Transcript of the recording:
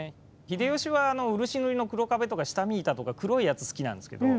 秀吉は漆塗りの黒壁とか下見板とか黒いやつ好きなんですけど。